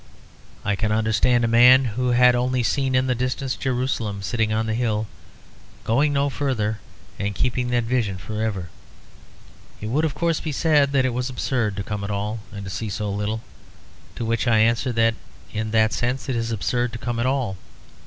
I can understand a man who had only seen in the distance Jerusalem sitting on the hill going no further and keeping that vision for ever. It would, of course, be said that it was absurd to come at all, and to see so little. To which I answer that in that sense it is absurd to come at all.